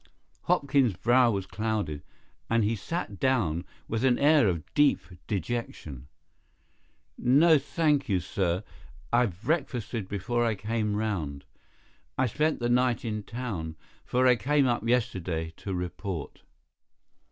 Hopkins's brow was clouded, and he sat down with an air of deep dejection. "No, thank you, sir. I breakfasted before I came round. I spent the night in town, for I came up yesterday to report."